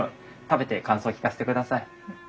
食べて感想聞かせてください。